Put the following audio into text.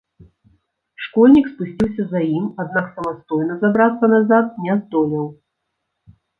Школьнік спусціўся за ім, аднак самастойна забрацца назад не здолеў.